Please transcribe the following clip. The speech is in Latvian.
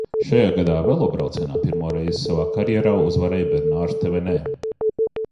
Šajā gadā velobraucienā pirmo reizi savā karjerā uzvarēja Bernārs Tevenē.